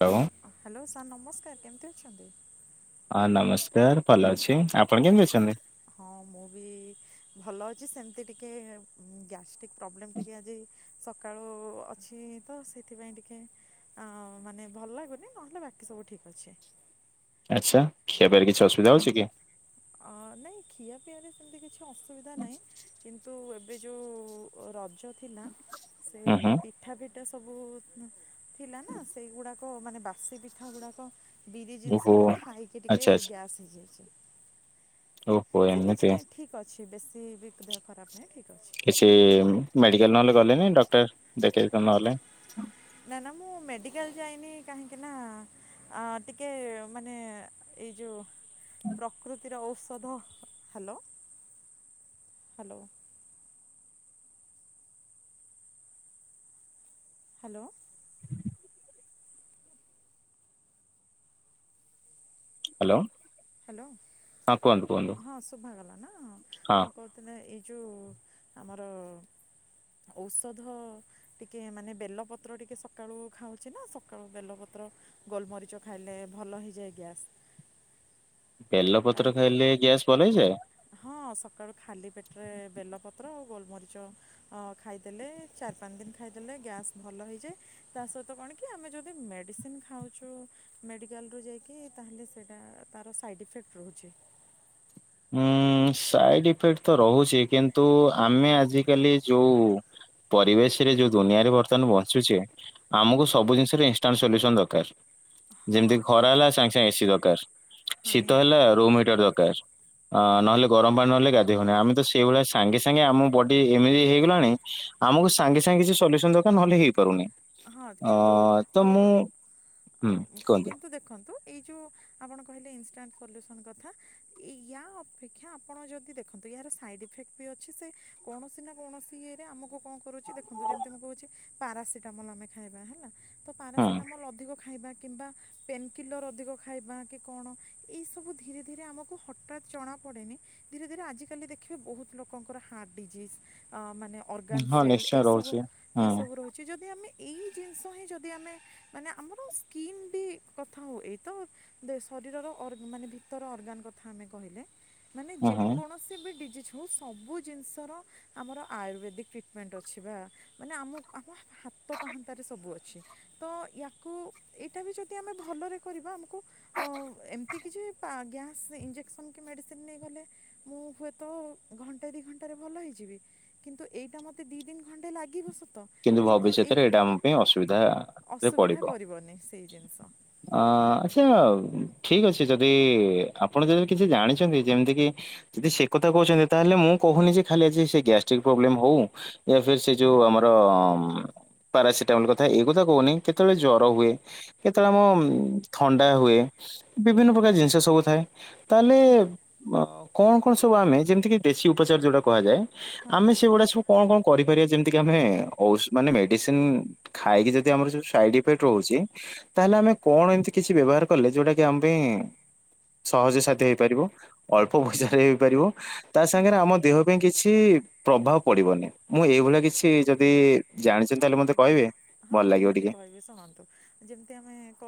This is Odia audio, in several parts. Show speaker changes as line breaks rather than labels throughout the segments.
ହ୍ୟାଲୋ
ହ୍ୟାଲୋ ସାର୍ ନମସ୍କାର। କେମତି ଅଛନ୍ତି।
ହଁ ନମସ୍କାର ଭଲ ଅଛି ଆପଣ କେମିତି ଅଛନ୍ତି।
ହଁ ମୁଁ ବି ଭଲ ଅଛି ସେମିତି ଟିକେ ଗ୍ୟାଷ୍ଟ୍ରିକ ପ୍ରୋବ୍ଲେମ୍ ଟିକେ ଆଜି ସକାଳୁ ଅଛି। ତ ସେଥିପାଇଁ ଟିକେ ମାନେ ଭଲ ଲାଗୁନି ନହେଲେ ବାକି ସବୁ ଠିକ ଅଛି।
ଆଚ୍ଛା ଖିବାର କିଛି ଅସୁବିଧା ହଉଛି କି?
ହଁ ନାଇଁ ଖିଆ ପିଆରେ ସେମତି କିଛି। ଅସୁବିଧା ନାହିଁ କିନ୍ତୁ? ଯୋଉ ରଜ ଥିଲା। ସେ
ଉଁ ହୁଁ
ପିଠା ପିଠି। ଏ ସବୁ ଥିଲା ନା ସେ ଗୁଡାକ। କ ମାନେ ବାସି ପିଠା ଗୁଡାକ। ବିରି
ଓହୋ
ଜିନିଷ ନା ଖାଇକି ଟିକେ
ଆଚ୍ଛା ଆଚ୍ଛା
ଗ୍ୟାସ୍ ହେଇଯାଇଛି।
ଓହୋ ଏମିତି।
ବେଶି ବି ଦେହ ଖରାପ୍ ନାହିଁ ଠିକ୍। ଅଛି
କିଛି ମେଡିକାଲ୍ ନହେଲେ ଗଲେନି ଡକ୍ଟର ଦେଖେଇ ଦେଇଥାନ୍ତ ନ ହେଲେ।
ନା ନା ମୁଁ ମେଡିକାଲ ଯାଇନି କାହିଁକି ନା ଟିକେ ମାନେ ଏଇ ଯୋଉ ପ୍ରକୃତିର ଓସ୍। ଓଧ hello hello. Hello.
Hello
hello, ହଁ ଶୁଭା ଗଲା ନା? ହଁ
ହଁ
ମୁଁ କହୁଥିଲି ହେ ଏଇ ଯୋଉ ଆମର ଔଷଧ ଟିକେ ମାନେ ବେଲପତ୍ର ଟିକେ ସକାଳୁ ଖାଉଛି ନା। ସକାଳୁ ବେଲପତ୍ର ଗୋଲମରିଚ ଖାଇଲେ ଭଲ ହେଇଯାଏ ଗ୍ୟାସ୍।
ବେଲ ପତ୍ର
କାହିଁକି
ଖାଇଲେ ଗ୍ୟାସ୍ ଭଲ ହେଇଯାଏ?
ହଁ ସକାଳୁ ଖାଲି ପେଟରେ ବେଲ ପତ୍ ବେଲପତ୍ର ଆଉ ଗୋଲମରିଚ ଖାଇଦେଲେ ଚାରି ପାଞ୍ଚ ଦିନ ଖାଇଦେଲେ ଗ୍ୟାସ ଭଲ ହେଇଯାଏ। ତା ସହିତ କଣ କି ଆମେ ଯଦି ମେଡିସିନ ଖାଉଛୁ ମେଡିକାଲରୁ ଯାଇକି? ତାହେଲେ ସେଇଟା ତାର ସାଇଡ ଇଫେକ୍ଟ ରହୁଛି।
ଉଁ, ସାଇଡ୍ ଇଫେକ୍ଟ ତ ରହୁଛି। କିନ୍ତୁ ଆମେ ଆଜିକାଲି ଯୋଉ ପରିବେଶରେ ଯୋଉ ଦୁନିଆରେ ବର୍ତ୍ତମାନ ବଞ୍ଚୁଚେ। ଆମକୁ ସବୁ ଜିନିଷର ଇନସଟାଣ୍ଟ ସଲ୍ୟୁସନ୍ ଦରକାର।
ହଁ
ଯେମିତି ଖରା ହେଲା ସାଙ୍ଗେ ସାଙ୍ଗେ ଏସ କି ଦରକାର।
ହଁ
ଶୀତ
ନିହାତି
ହେଲା ରୁମ୍ ହିଟର୍ ଦରକାର। ଅ
ହଁ
ନହେଲେ ଗରମ ପାଣି ନହଲେ ଗାଧେ ଦେଖୁନ ଆମେ ତ ସେଇ ଭଳିଆ ସାଙ୍ଗେ ସାଙ୍ଗେ ଆମ ବଡି ଏମିତି ହେଇଗଲାଣି। ଆମକୁ ସାଙ୍ଗେ ସାଙ୍ଗେ କିଛି ସଲ୍ୟୁସନ ଦାରକାର ନହେଲେ ହେଇପାରୁନି।
ହଁ
ଅ
କିନ୍ତୁ
ତ ମୁଁ ହୁଁ
ଅ
କୁହନ୍ତୁ
କିନ୍ତୁ ଦେଖନ୍ତୁ। ଏଇ ଯୋଉ ଆପଣ କହିଲେ ଇନଷ୍ଟାଣ୍ଟ ସଲ୍ୟୁସନ୍ କଥା ୟା ଅପେକ୍ଷା ଆପଣ ଯଦି ଦେଖନ୍ତୁ ଏହାର ସାଇଡ ଇଫେକ୍ଟ ବି ଅଛି ସେ କୌଣସି ନା କୌଣସି ଇୟେରେ ଆମକୁ କଣ କରୁଛି ଦେଖନ୍ତୁ ଯେମିତି ମୁଁ କହୁଛି ପାରା ଠାମଲ ଆମେ ଖାଇବା ହେଲା। ତ
ହୁଁ
ପାରାସିଟାମୋଲ ଅଧିକ ଖାଇବା। କିମ୍ବା ପେନ୍କିଲର ଅଧିକ ଖାଇବା କି କଣ ଏଇ ସବୁ ଧୀରେ ଧୀରେ ଆମକୁ ହଠାତ୍ ଜଣା ପଡ଼େନି ଧୀରେ ଧୀରେ ଆଜିକାଲି ଦେଖିବେ ବହୁତ ଲୋକଙ୍କର ହାର୍ଟ ଡିଜିଜ୍ ଆ ମାନେ ଅର୍ଗାନ
ହଁ
ଫେଲ୍
ନିଶ୍ଚୟ
ଏଇ ସବୁ
ରହୁଛି ହୁଁ
ଏଇ ସବୁ ରହୁଛି ଯ ଆମେ ଏଇ ଜିନିଷ ହିଁ ଯଦି ଆମେ ମାନେ ଆମର ସ୍କିନ୍ ବି କଥା ହଉ ଏଇ ତ ଶରୀରର ଅର୍ଗା ମାନେ ଭିତର ଅର୍ଗାନ କଥା ଆମେ କହିଲେ। ମାନେ
ହୁଁ ହୁଁ
ଯେକୌଣସି ବି ଡିଜିଜ୍। ଯେଉଁ ସବୁ ଜିନିଷର ଆମର ଆୟୁର୍ବେଦିକ ଟ୍ରିଟମେଣ୍ଟ ଅଛି ବା ମାନେ ଆମ ଆମ ହାତ ପାହାନ୍ତାରେ ସବୁ ଅଛି। ତ ୟାକୁ ଏଇଟା ବି ଯଦି ଆମେ ଭଲରେ କରିବା ଆମକୁ ଏମିତି କିଛି ପା ଗ୍ୟାସ୍ ଇଞ୍ଜେକ୍ସନ କି ମେଡ଼ିସିନ ନେଇଗଲେ। ମୁଁ ହୁଏତ ଘଣ୍ଟେ ଦି ଘଣ୍ଟାରେ ଭଲ ହେଇଯିବି। କିନ୍ତୁ ଏଇଟା ମୋତେ ଦିଇ ଦିନ ଘଣ୍ଟେ ଲାଗିବ ସତ
କିନ୍ତୁ ଭବିଷ୍ୟତରେ ଏଇଟା ଆମ ପାଇଁ ଅସୁବିଧା ରେ
ଅସୁବିଧା
ପଡିବ
କରିବନି ସେଇ ଜିନିଷ
ଅ ଆଚ୍ଛା। ଠିକ ଅଛି ଯଦି ଆପଣ ଯଦି କିଛି ଜାଣିଛନ୍ତି। ଯେମିତି କି ଯଦି ସେ କଥା କହୁଛନ୍ତି। ତାହେଲେ ମୁଁ କହୁନି ଯେ ଖାଲି ଆଜି ସେ ଗ୍ୟାଷ୍ଟ୍ରିକ ପ୍ରୋବ୍ଲେମ ହଉ ସେ ଯୋଉ ଆମର ର ପାରାସିଟାମଲ କଥା ଏଇ କଥା କହୁନି କେତେବେଳେ ଜର ହୁଏ କେତେବେଳେ ଆମ ଥଣ୍ଡା ହୁଏ ବିଭିନ୍ନ ପ୍ରକାର ଜିନିଷ ସବୁ ଥାଏ। ତାହେଲେ
ନିହାତି
କଣ କଣ ସବୁ ଆମେ ଯେମିତି କିି ଦେଶୀ ଉପଚାର ଯଉଟା କୁହାଯାଏ।
ହଁ
ଆମେ ସେଗୁଡା ସଵୁ କଣ କଣ କରିପାରିବା ଯେମିତି କିି ଆମେ ମାନେ ମେଡିସିନ ଖାଇକି ଯଦି ଆମର ସାଇଡ ଇଫେକ୍ଟ ରହୁଛି। ତାହେଲେ ଆମେ କଣ ଏମତି କିଛି ବ୍ୟବହାର କଲେ ଯୋଉଟା କି ଆମ ପାଇଁ ସହଜ ସାଧ୍ୟ ହେଇପାରିବ। ଅଳ୍ପ ପଈସାରେ ହେଇପାରିବ ତା
ହଁ
ସାଙ୍ଗରେ ଆମ ଦେହ ପାଇଁ କିଛି ପ୍ରଭାବ ପଡିବନି ମୁଁ ଏଇଭଳିଆ କିଛି ଯଦି ଦି।
ହଁ ମ ହଁ ନିହାତି
ଟିକେ
କହିବି ଶୁଣନ୍ତୁ ଯେମିତି ଆମେ କ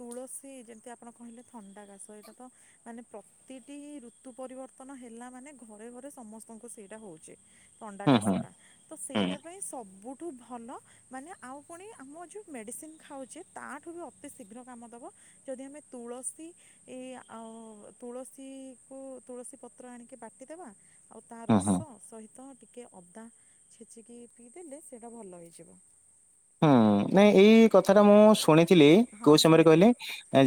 ତୁଳସୀ ଯେମିତି ଆପଣ କହିଲେ ଥଣ୍ଡା ଖାସ ଏଇଟା ତ ମାନେ ପ୍ରତିଟି ଋତୁ ପରିବର୍ତ୍ତନ ହେଲା ମାନେ ଘରେ ଘରେ ସମସ୍ତଙ୍କୁ ସେଇଟା ହଉଛି। ଥଣ୍ଡା
ହୁଁ
କାଶ
ହୁଁ
ଟା ତ
ହୁଁ
ସେଇଟା ପାଇଁ ସବୁ। ଠୁ ଭଲ ମାନେ ଆଉ ପୁଣି ଆମ ଯୋଉ ମେଡିସିନ ଖାଉଛେ ତାଠୁ ବି ଅତି ଶୀଘ୍ର କାମ ଦବ ଯଦି ଆମେ ତୁଳସୀ ଏ ଆଉ ତୁଳସୀକୁ ତୁଳସୀ ପତ୍ର ଆଣିକି ବାଟିଦବା। ଆଉ ତା
ହୁଁ
ରସ
ହୁଁ।
ସହିତ ଟିକେ ଅଦା ଛେଚିକି ପିଇଦେଲେ। ସେଇଟା ଭଲ ହେଇଯିବ।
ହୁଁ ନାଇଁ ଏଇ କଥା ଟା ମୁଁ ଶୁଣିଥିଲି
ହଁ
କୋଉ ସମୟରେ କହିଲେ
ଶୁଣିଥିବେ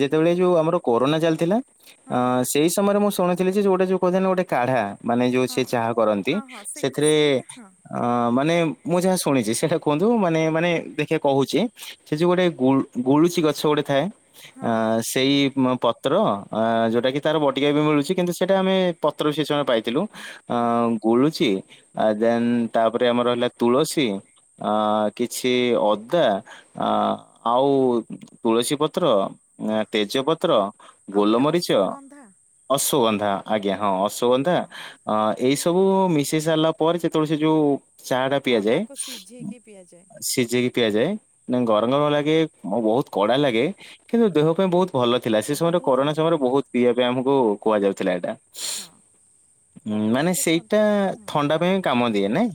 ଯେତେବେଳେ ଯୋଉ ଆମର କୋରୋନା ଚାଲିଥିଲା।
ହଁ
ଅ
ହଁ
ସେଇ ସମୟରେ ମୁଁ ଶୁଣି ଯଉଟା ଯଉ କହୁଥାନ୍ତି ଗୋଟେ କାଢା। ମାନେ ଯୋଉ ସେ
ହଁ
ଚାହା କରନ୍ତି
ହଁ ହଁ ସେଇ
ସେଥିରେ
ସେଇଟା ହଁ
ଅଁ ମାନେ ମୁଁ ଯାହା ଶୁଣିଛି ସେଇଟା କୁହନ୍ତୁ ମାନେ ମାନେ ଦେଖିବା କହୁଛି। ସେ ଯୋଉ ଗୋଟେ ଗୁଳୁ ଗୁଳୁଚି ଗଛ ଗୋଟେ ଥାଏ
ହଁ
ଅ ସେଇ ପତ୍ର ଯେଉଁଟାକି ତାର ବଟିକା ବି ମିଳୁଛି କିନ୍ତୁ ସେଇଟା ଆମେ ପତ୍ର ବି ସେ ସମୟରେ ପାଇଥିଲୁ ଅ
ହଁ
ଗୁଳୁଚି ଆ ଦେନ୍ ତାପରେ ଆମର ହେଲା ତୁଳସୀ ଅ କିଛି ସେ ଅଦା ଆଉ ତୁଳସୀ ପତ୍ର, ତେଜପତ୍ର
ଆଉ ଗୋଟେ
ଗୋଲମରିଚ,
ଅଶ୍ୱଗନ୍ଧା
ଅଶ୍ଵଗନ୍ଧା ଆଜ୍ଞା ହଁ ଅଶ୍ୱଗନ୍ଧା
ହଁ
ଅ ଏଇ ସବୁ ମିଶେଇ ସାରିଲା ପରେ ଯେତେବେଳେ ସେ ଯୋଉ ଚା ଟା
ହଁ
ପିଆଯାଏ
ତାକୁ ସିଝେଇକି ପିଆଯାଏ
ସିଝେଇକି ପିଆଯାଏ ନ ଗରମ ଗରମ ଲାଗେ ବହୁତ କଡ଼ା ଲାଗେ କିନ୍ତୁ ଦେହ ପାଇଁ ବହୁତ ଭଲ ଥିଲା ସେ ସମୟରେ
ବହୁତ
କରୋନା
ଭଲ
ସମୟରେ ବହୁତ ପିଇବା ପାଇଁ ଆମକୁ କୁ କୁହାଯାଉଥିଲା ଏଇଟା।
ହଁ
ଉଁ,
ତାପରେ
ମାନେ ସେଇଟା
ଦେଖନ୍ତୁ ହୁଁ
ଥଣ୍ଡା ପାଇଁ କାମ ଦିଏ ନାଇଁ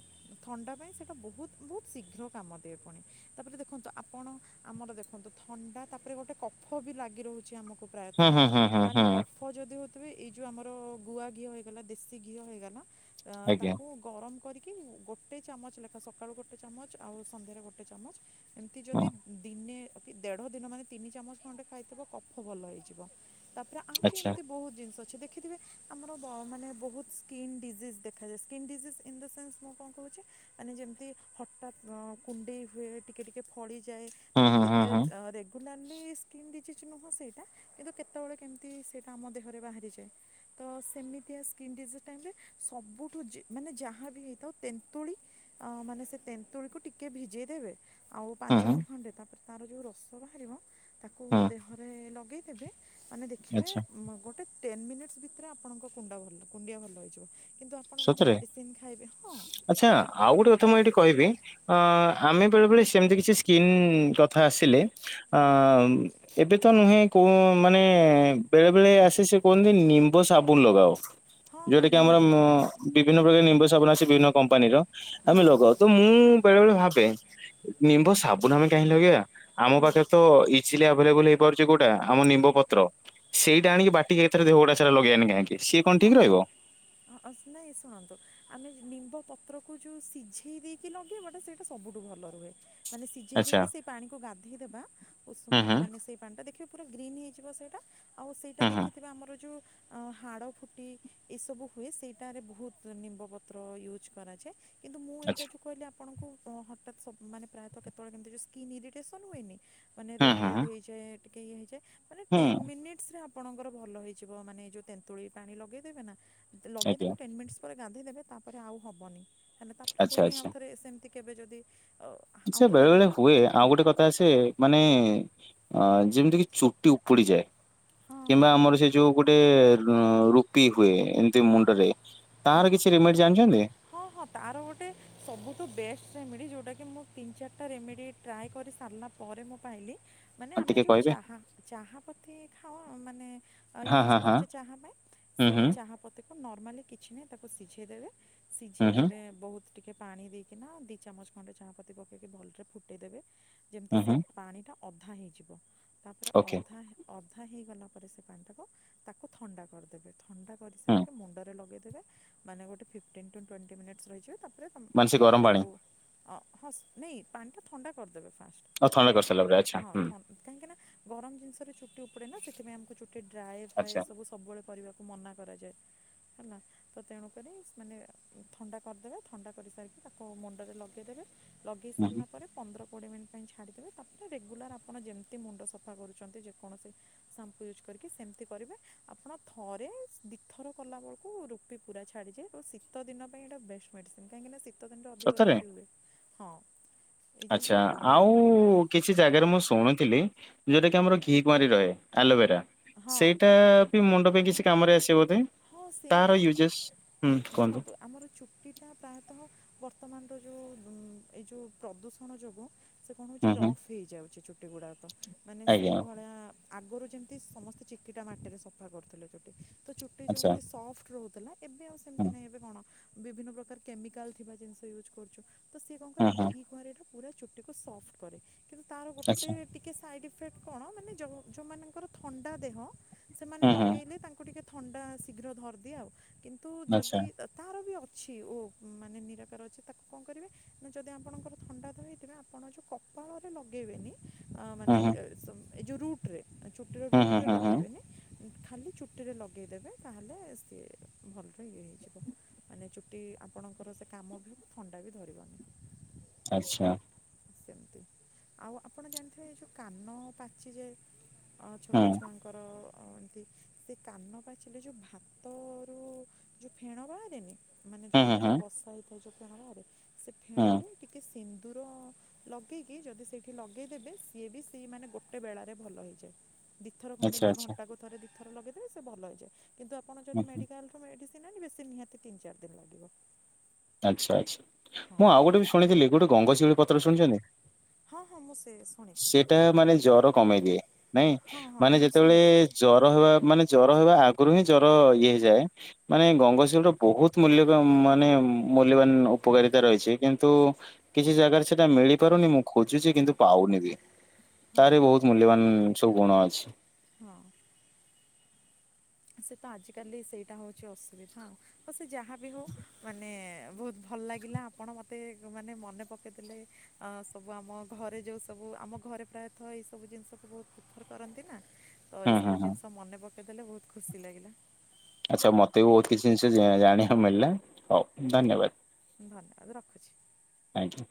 ଥଣ୍ଡା ପାଇଁ ସେଟା ବହୁତ ବହୁତ ଶୀଘ୍ର କାମ ଦିଏ ପୁଣି ତାପରେ ଦେଖନ୍ତୁ ଆପଣ ଆମର ଦେଖନ୍ତୁ ଥଣ୍ଡା ତାପରେ ଗୋଟେ କଫ ବି ଲାଗି ରହୁଛି ଆମକୁ
ହୁଁ
ପ୍ରାୟତଃ
ହୁଁ ହୁଁ ହୁଁ
ମାନେ
ହୁଁ
କଫ ଯଦି ହଉଥିବେ ଏଇ ଯୋଉ ଆମର ଗୁଆ ଘିଅ ହେଇଗଲା ଦେଶୀ ଘିଅ ହେଇଗଲା ଅ
ଆଜ୍ଞା
ତାକୁ ଗରମ କରିକି କି ଗୋଟେ ଚାମଚ ଲେଖାଁ ସକାଳୁ ଗୋଟେ ଚାମଚ ଆଉ ସନ୍ଧ୍ୟାରେ ଗୋଟେ ଚାମଚ ଏମିତି ଯଦି
ହଁ
ଦିନେ ଦେଢ ଦିନ ମାନେ ତିନି ଚାମଚ ଖଣ୍ଡେ ଖାଇଥିବ କଫ ଭଲ ହେଇଯିବ। ତାପରେ ଆହୁରି
ଆଚ୍ଛା
ଏମିତି ବହୁତ ଜିନିଷ ଅ ଦେଖିଥିବେ ଆମର ମାନେ ବହୁତ ସ୍କିନ୍ ଡିଜିଜ ଦେଖାଯାଏ skin disease in the sense ମୁଁ କଣ କହୁଛି ମାନେ ଯେମିତି ହଠାତ୍ କୁଣ୍ଡେଇ ହୁଏ ଟିକେ ଟିକେ ଫଳି
ହୁଁ
ମାନେ
ହୁଁ
ଏମତି
ହୁଁ ହୁଁ
ରେଗୁଲାର୍ ନୁହେଁ ସ୍କିନ୍ ଡିଜିଜ କିଛି ନୁହଁ ସେଇଟା କିନ୍ତୁ କେତେବେଳେ କେମିତି ସେଇଟା ଆମ ଦେହରେ ବାହାରିଯାଏ। ତ ସେମିତିଆ ସ୍କିନ ଡିଜିଜ ଟାଇମ୍ ରେ ସବୁଠୁ ମାନେ ଯାହାବି ହେଇଥାଉ ତେନ୍ତୁଳି ମାନେ ସେ ତେନ୍ତୁଳିକୁ ଟିକେ ଭିଜେଇ ଦେବେ ଆଉ
ହୁଁ
ପାଞ୍ଚ
ହୁଁ
ମିନିଟ୍ ଖଣ୍ଡେ ତା ତାର ଯୋଉ ରସ ବାହାରିବ ତାକୁ
ହୁଁ
ଦେହରେ ଲଗେଇ ଏବେ ମାନେ ଦେଖିବେ
ଆଚ୍ଛା
ଗୋଟେ ଟେନ୍ ମିନିଟ ଭିତରେ ଆପଣଙ୍କ କୁଣ୍ଡା ଭଲ କୁଣ୍ଡିଆ ଭଲ ହେଇଯିବ। କିନ୍ତୁ ଆପଣ ଯଦି
ସତରେ
ମେଡ଼ିସିନ୍ ଖାଇବେ ହଁ
ଆଚ୍ଛା ଆଉ ଗୋଟେ କଥା ମୁଁ ଏଇଠି କହିବି ଅ ଆମେ ବେଳେ ବଳେ ସେମତି କିଛି ସ୍କିନ୍ କଥା ଆସିଲେ ଅ ଏବେ ତ ନୁହେଁ କୋଉ ମାନେ ବେଳେ ବେଳେ ଆସେ ସେ କୁହନ୍ତିନି ନିମ୍ବ ସାବୁନ ଲଗାଅ।
ହଁ ହଁ
ଯୋଉଟା କିି ଆମର
ନିହାତି
ମ ବିଭିନ୍ନ ପ୍ରକାର ନିମ୍ବ ଆସେ ବିଭିନ୍ନ କମ୍ପାନୀର। ଆମେ
ହଁ
ଲଗାଉ ତ ମୁଁ ବେଳେ ବେଳେ ଭାବେ ନିମ୍ବ ସାବୁନ ଆମେ କାହିଁ ଲଗେଇବା? ଆମ
ହଁ
ପାଖରେ ତ ଇଛ୍ ଇଲି ଆଭେଲେବୁଲ ହେଇପାରୁଚି କୋଉଟା ଆମ ନିମ୍ବ ପତ୍ର। ସେଇଟା ଆଣିକି ବାଟିିକି ଏଥେରେ ଦେହଉଡା ସେରା ଲଗେଇବାନ କାହିଁକି? ସିଏ କଣ ଠିକ
ହଁ
ରହିବ?
ଅ- ଅ- ନାଇଁ ଶୁଣନ୍ତୁ ଆମେ ନିମ୍ବ ପତ୍ରକୁ ଯୋଉ ସିଝେଇ ଦେଇକି ଲଗେଇବାଟା ସେଇଟା ସବୁଠୁ ଭଲ ରୁହେ। ମାନେ ସିଝେଇ
ଆଚ୍ଛା
ଦେଇକି ସେଇ ପାଣିକୁ ଗାଧେଇଦେବା ଉଷୁମ
ହୁଁ ହୁଁ
ମାନେ ସେଇ ପାଣିଟା ଦେଖିବ ପୁରା ଗ୍ରୀନ୍ ହେଇଯିବ ସେଇଟା ଆଉ ସେଇଟା
ହୁଁ ହୁଁ
ଦେଖିଥିବେ ଆମର ଯୋଉ ଅ ହାଡ଼ ଫୁଟି ଏସବୁ ହୁଏ ସେଇଟାରେ ବୋହୁତ ନିମ୍ବ ପତ୍ର ୟୁଜ୍ କରାଯାଏ। କିନ୍ତୁ ମୁଁ ଏଇଟା
ଆଚ୍ଛା
ଯୋଉ କହିଲି ଆ ଆପଣଙ୍କୁ ଅ ହଠାତ୍ ସ ମାନେ ପ୍ରାୟତଃ କେତୋଳେ କେମତି ଯୋଉ ସ୍କିନ୍ ଇରିଟେସନ୍ ହୁଏନି? ମାନେ
ହୁଁ
ରେଡ
ହୁଁ
ରେଡ ହେଇଯାଏ। ଟିକେ ଇଏ ହେଇଯାଏ। ମାନେ
ହୁଁ
ଟେନ୍
ହୁଁ
ମିନିଟସରେ ଆ ଆପଣଙ୍କର ଭଲ ହେଇଯିବ ମାନେ ଏ ଯୋଉ ତେନ୍ତୁଳି ପାଣି ଲଗେଇ ଦେବେନା ଲଗେଇଦେବ
ଆଜ୍ଞା
ଟେନ ମିଣ୍ଟସ ପରେ ଗାଧେଇଦେବେ ତାପରେ ଆଉ ହବନି। ହେଲେ ତାପରେ ପୁଣି ଆଉଥରେ ସେମତି କେବେ ଯଦି
ସେ
ଆଉଥରେ
ବେଳେ ବେଳେ
ହେଲା
ହୁଏ ଆଉ
ହଁ
ଗୋଟେ କଥା ଆସେ ମାନେ ଅ ଯେମିତି କିି ଚୁଟି ଉପୁଡ଼ି ଯାଏ।
ହଁ
କିମ୍ବା
ହଁ
ଆମର ସେ ଯୋଉ ଗୋଟେ ର ରୁପି ହୁଏ ଏମିତି
ହଁ
ମୁଣ୍ଡରେ ତାର
ହଁ
କିଛି ରେମେଡି ଜାଣିଛନ୍ତି
ହଁ ହଁ ତାର ଗୋଟେ ସବୁଠୁ ବେଷ୍ଟ ରେମେଡ଼ି ଯୋଉଟା କି ମୁଁ ତିନି ଚାରିଟା ରେମିଡ଼ି ଟ୍ରାଏ କରି ସାରିଲା ପରେ ମୁଁ ପାଇଲି। ମାନେ
ଆଉ
ଆମେ
ଟିକେ
ଯୋଉ
କହିବେ
ଚାହା ଚାହା ପ ଠେ ଖାଉ ଅ ମାନେ
ହଁ
ୟୁଜ
ହଁ ହଁ
କରୁଚେ ଚାହା ପାଇଁ
ହୁଁ
ସେଇ
ହୁଁ
ତାହାପତେକୁ ନର୍ମାଲି କିଛି ନାହିଁ ତାକୁ ସିଝାଇ ଦେବେ।
ହୁଁ ହୁଁ
ସିଝେଇଦବେ ବହୁତ ଟିକେ ପାଣି ଦେଇକି ନା ଦିଇ ଚାମଚ ଖଣ୍ଡେ ଚାଣାପାତି ପକେଇକି ଭଲରେ ଫୁଟେଇଦେବେ। ଯେମିତି
ହୁଁ
ସେ
ହୁଁ
ପାଣି ଟା। ଅଧା ହେଇଯିବ। ତାପରେ
ଓକେ
ଅର୍ଧା ଅ କଥା ହେଇଗଲା ପରେ ସେ ପାଣି ଟାକୁ ତାକୁ ଥଣ୍ଡା କରିଦେବେ। କରି
ହୁଁ
ସାରିକି ମୁଣ୍ଡରେ ଲଗେଇ ମାନେ ଗୋଟେ ଫିଫ୍ଟିନ୍ ଟୁ ଟ୍ୱେଣ୍ଟି ମିନିଟ୍ ରହିଯିବ। ରେ
ମାନେ ସେ
ଆପଣ
ଗରମ ପାଣି
ଯୋଉ ଅଁ, ହସ୍ ନେଇ ପାଣିଟା ଥଣ୍ଡା କରିଦେବେ। ହଁ
ଆଉ ଥଣ୍ଡା କରିସାରିଲା ପରେ ଆଚ୍ଛା
ହଁ
ହୁଁ
କାହିଁକି ନା ଗରମ ଜିନିଷରେ ଚୁଟି ଉପଡେ ନା ସେଥିପାଇଁ ଆମକୁ ଚୁଟି ଡ୍ରାଏ ଫ୍ରାଏ
ଆଚ୍ଛା
ସବୁ ସବୁବେଳେ କରିବା ମନା କରାଯାଏ ହେଲା ତ ତେଣୁ କରି ସେ ମାନେ ଥଣ୍ଡା କରିଦେବେ, ଥଣ୍ଡା କରିସାରିକି ତାକୁ ମୁଣ୍ଡରେ ଲଗେଇଦେବେ ଲଗେଇ
ହୁଁ ହୁଁ
ସାରିଲା ପରେ ପନ୍ଦର କୋଡିଏ ମିନିଟ୍ ପାଇଁ ଛାଡିଦେବେ ତାପରେ ରେଗୁଲାର ଆପଣ ଯେମତି ମୁଣ୍ଡ ସଫା କରୁଛନ୍ତି ଯେକୌଣସି ସାମ୍ପ ୟୁଜ୍ କରିକି ସେମତି କରିବେ, ଆପଣ ଥ ଥରେ ଦିଇ ଥର କଲା ବଳକୁ ରୁପି ପୁରା ଛାଡିଯାଏ, ତ ଶୀତ ଦିନ ପାଇଁ ଏଇଟା ବେଷ୍ଟ ମେଡିସିନ କାହିଁକିନା ଶୀ ତ ଦିନର ଅଧିକ
ସତରେ
ରୁପି ହୁଏ। ହଁ। ଏଇ ଜିନିଷ
ଆଚ୍ଛା
ବହୁତ
ଆଉ
ଭଲ କାମ
କିଛି ଜାଗାରେ ମୁଁ ଶୁଣୁଥିଲି ଯୋଉଟା କିି ଆମର ଘିକୁମାରି ରହେ ଆଲବେରା
ହଁ
ସେଇଟା ବି ମୁଣ୍ଡ ପାଇଁ କିସ କାମରେ ଆସିବ ବୋଧେ।
ହଁ
ତାହାର
ସେଇଟା
ୟୁଜେସ୍ ହୁଁ କୁହନ୍ତୁ।
ଦେଖନ୍ତୁ ଆମର ଚୁଟି ଟା ପ୍ରାୟତଃ ବର୍ତ୍ତମାନର ଯୋଉ ଉଁ ଏଇ ଯୋଉ ପ୍ରଦୂଷଣ ଯୋଗୁ ସେ କଣ
ହୁଁ
ହଉଛି
ହୁଁ
ରଫ୍ ହେଇଯାଉଛି ଚୁ ଚୁଟି ଗୁଡ଼ାକୁ ମାନେ
ଆଜ୍ଞା
ସେଇ ଭଳିଆ ଆଗରୁ ଯେମିତି ସମସ୍ତେ ଚିକିଟା ମାଟିରେ ସଫା କରୁଥିଲେ ଚୁଟି। ତ ଚୁ ଚୁଟି
ଆଚ୍ଛା
ଯେମତି ସଫ୍ଟ ରହୁ ଏବେ ଆଉ ସେମିତି
ହୁଁ
ନାହିଁ, ଏବେ କଣ ବିଭିନ୍ନ ପ୍ରକାର କେମିକାଲ୍ ଥିବା ଜିନିଷ ୟୁଜ୍ କରୁଛୁ। ତ ସିଏ କଣ କରେ
ହୁଁ ହୁଁ
ଘିକୁମାରି ଟା ପୁରା ଚୁଟିକୁୁ ସଫ୍ଟ କରେ। କିନ୍ତୁ ତାର ଗୋଟେ
ଆଚ୍ଛା
ଟିକେ ସାଇଡ ଇଫେକ୍ଟ କଣ ମାନେ ଯୋଉ ଯୋଉମାନଙ୍କର ଥଣ୍ଡା ଦେହ ସେମାନେ
ହୁଁ ହୁଁ
ଲଗେଇଲେ ତାଙ୍କୁ ଟିକେ ଥଣ୍ଡା ଶୀଘ୍ର ଧରିଦିଏ ଆଉ। କିନ୍ତୁ
ଆଚ୍ଛା
ଯଦି ଅ, ତାର ବି ଅଛି ଓ ମାନେ ନିରାକାର ଅଛି, ତାକୁ କଣ କରିବେ ନା ଯଦି ଆପଣଙ୍କର ଥଣ୍ଡା ଦେହ ହେଇଥିବେ ଆପଣ ଯୋଉ କପାଳରେ ଲଗେଇବେନି। ଅ,
ହୁଁ
ମାନେ
ହୁଁ
ଏ -ସ ଏଇ ଯୋଉ ରୁ ଟ୍ରେ ଚୁଟିର
ହୁଁ
ରୁଟ୍
ହୁଁ
ରେ
ହୁଁ ହୁଁ
ଲଗେଇବେନି। ଖାଲି ଚୁଟି ରେ ଲଗ। [inaudible] ତାହେଲେ ସିଏ ଭଲରେ ଇଏ ହେଇଯିବ ମାନେ ଚୁଟି ଆପଣଙ୍କର ସେ କାମ ବି ହେବ ଥଣ୍ଡା ବି ଧରିବନି।
ଆଛା।
ସେମିତି ଆଉ ଆପଣ ଜାଣିଥିବେ ଏ ଯୋଉ କାନ ପାଚି ଯାଏ। ଆ ଛୋଟ
ହୁଁ
ଛୁଆଙ୍କର। [unintelligible] ସେ କାନ ପାଚିଲେ ଯୋଉ ଭାତରୁ ଯୋଉ ଫେଣ ବାହାରେନି। ମାନେ ଯୋଉ
ହୁଁ
ଭାତ
ହୁଁ
ବସା ହେଇଥାଏ ଯୋଉ। [unintelligible] ସେ
ହୁଁ ହୁଁ
ଫେଣରେ ଟିକେ ସିନ୍ଦୁର ଲଗେଇକି ଯଦି ସେଇଠି ଲଗେଇଦେବେ ସିଏ ବି ସେ ମାନେ ଗୋଟେ ବେଳାରେ ଭଲ ହେଇଯାଏ। ଦିଥର
ଆଚ୍ଛା
ଖଣ୍ଡେ ଏମତି
ଆଚ୍ଛା
ଘଣ୍ଟାକୁ ଥରେ। ଥର ଲଗେଇଦେବେ ସେ ଭଲ। [unintelligible] କିନ୍ତୁ ଆପଣ
ହୁଁ
ଯଦି
ହୁଁ
ମେଡିକାଲରୁ ମେଡିସି [unintelligible] ନିହାତି ତିନି ଚାରି ଦିନ ଲାଗିବ।
ଆଛା ଆଛା।
ହଁ
ମୁଁ ଆଉ ଗୋଟେ ବି ଶୁଣିଥିଲି ଗୋଟେ ଗଙ୍ଗଶିଉଳି [unintelligible] ସୁନିଚନ୍ତି
ହଁ ହଁ ମୁଁ ସେ ଶୁଣିଛି
ସେଟା ମାନେ ଜର କମେଇ ଦିଏ ନାଇଁ
ହଁ ହଁ
ମାନେ
ମୁଁ
ଯେତେବେଳେ
ଶୁଣିଛି
ଜର ହେବା ମାନେ ଜର ହେବା ଆଗ ଆଗୁରୁ ହିଁ ଜର ଇଏହେଇଯାଏ ମାନେ ଗଙ୍ଗଶିଉଳି ର ବହୁତ ମୂଲ୍ୟ ଉଁ ମାନେ ଉଁ ମୂଲ୍ୟବାନ ଉପକାରିତା ରହିଛି କିନ୍ତୁ କିଛି ଜାଗାରେ ସେଟା ମିଳି ପାରୁନି ମୁଁ ଖୋଜୁଛି କିନ୍ତୁ ପାଉନି ବି
ହଁ
ତାର ବହୁତ ମୂଲ୍ୟବାନ। ସବୁ ଗୁଣ ଅଛି।
ହଁ। ସେ ତ ଆଜିକାଲି ସେଇଟା ହଉଛି ଅସୁବିଧାଉ। ଯାହା ବିି ହଉ ମାନେ। ବହୁତ ଭଲ ଲାଗିଲା ଆପଣ ମୋତେ ମାନେ ମନେ ପକାଇ ଦେଲେ ସବୁ ଆମ ଘରେ ଯେଉଁ ସବୁ ଆମ ଘରେ ପ୍ରାୟତଃ ଏଇସବୁ ଜିନିଷକୁ ବହୁତ ପ୍ରିଫର୍ କରନ୍ତି ନା। ତ ଏଇ
ହୁଁ
ସବୁ
ହୁଁ ହୁଁ
ଜିନିଷ ମନେ ପକେଇ ତାେଲେ ବତ ହୁଁ ଖୁସି ଲାଗିଲା।
ଆଚଛା ମତେ ବି ବହୁତ କିଛି ଜିନିଷ ଜାଣିବାକୁ ମିଳିଲା ହଉ ଧନ୍ୟବାଦ।
ଭଲ ରଖୁଛି।
ଆଜ୍ଞା।